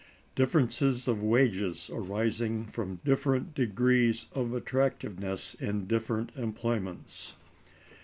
Differences of Wages Arising from Different Degrees of Attractiveness in Different Employments.